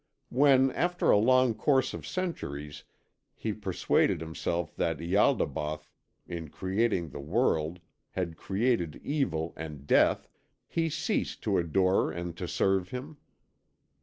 When, after a long course of centuries, he persuaded himself that Ialdabaoth in creating the world had created evil and death, he ceased to adore and to serve him.